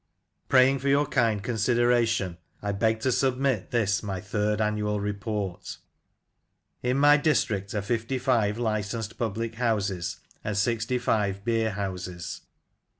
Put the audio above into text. "Praying for your kind consideration, I beg to submit this my third annual Report " In my district are fifty five licensed public houses and sixty five beerhouses.